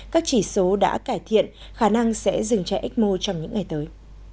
các chỉ số đã cải thiện khả năng sẽ dừng chạy ecmo trong những ngày tới